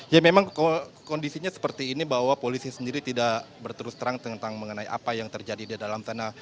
ya memang kondisinya seperti ini bahwa polisi sendiri tidak berterus terang tentang mengenai apa yang terjadi di dalam sana